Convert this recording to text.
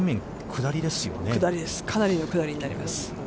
下りです、かなりの下りになります。